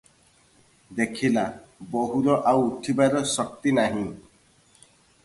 ଦେଖିଲା, ବୋହୂର ଆଉ ଉଠିବାର ଶକ୍ତି ନାହିଁ ।